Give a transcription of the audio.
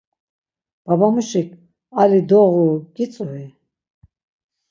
Babamuşik 'Ali doğuru' gitzui?